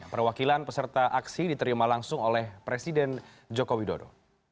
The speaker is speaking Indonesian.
perwakilan peserta aksi diterima langsung oleh presiden joko widodo